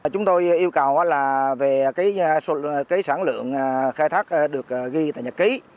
chúng tôi yêu cầu là về sản lượng khai thác được ghi tại nhật ký